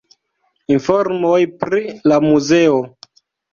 Informoj pri la muzeo.